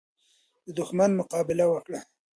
د دښمن مقابله وکړه.